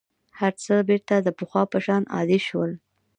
هر څه بېرته د پخوا په شان عادي شول.